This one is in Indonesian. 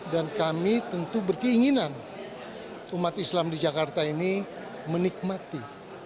dan kami tentu berkeinginan umat islam di jakarta ini menikmati